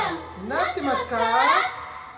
なってますか？